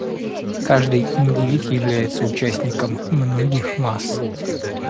Каждый индивид является участником многих масс.